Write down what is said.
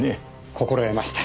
心得ました。